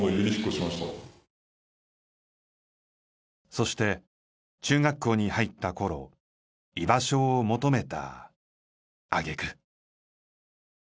そして中学校に入ったころ居場所を求めた揚げ句。